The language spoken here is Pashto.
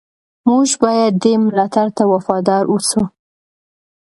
موږ باید دې ملاتړ ته وفادار اوسو.